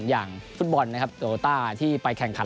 อย่างฟุตบอลโลต้าที่ไปแข่งขัน